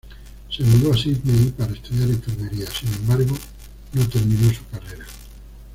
Se mudó a Sídney para estudiar enfermería; sin embargo, no terminó su carrera.